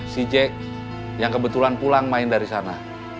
si jack yang kebetulan pulang main dari sana